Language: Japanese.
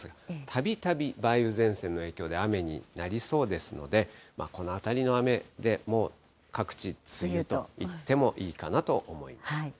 たびたび梅雨前線の影響で雨になりそうですので、このあたりの雨で、もう各地、梅雨といってもいいかなと思います。